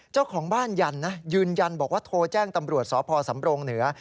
เจ้าของบ้านยันนะยืนยันบอกว่าโทรแจ้งตำรวจสพสำรงเหนือ